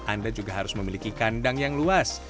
anda juga harus memiliki kandang yang luas